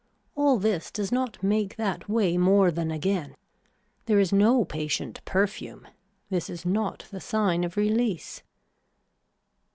All this does not make that weigh more than again. There is no patient perfume. This is not the sign of release.